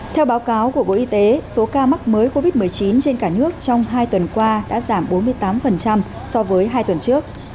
theo báo cáo của bộ y tế số ca mắc mới covid một mươi chín trên cả nước trong hai tuần qua đã giảm bốn mươi tám so với hai tuần trước